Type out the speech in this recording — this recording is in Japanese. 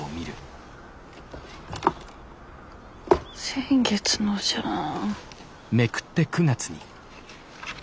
先月のじゃん。